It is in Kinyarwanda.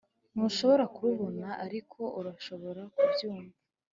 ntushobora kurubona ariko urashobora kubyumva